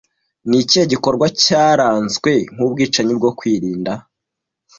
Ni ikihe gikorwa cyaranzwe nka 'Ubwicanyi bwo Kwirinda'